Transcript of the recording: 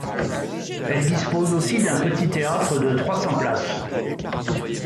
Elle dispose aussi d'un petit théâtre de trois cents places.